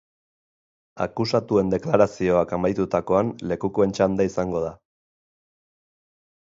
Akusatuen deklarazioak amaitutakoan, lekukoen txanda izango da.